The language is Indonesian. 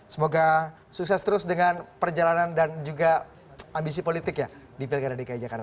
semoga sukses terus dengan perjalanan dan juga ambisi politik ya di pilkada dki jakarta